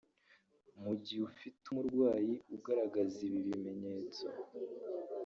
Mu gihe ufite umurwayi ugaragaza ibi bimenyetso